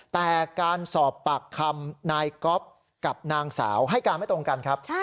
แต่การสอบปากคำนายก๊อฟกับนางสาวให้การไม่ตรงกันครับ